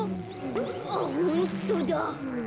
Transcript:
あっホントだ。